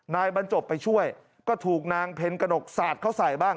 นายบรรจบไปช่วยก็ถูกนางเพ็ญกระหนกสาดเขาใส่บ้าง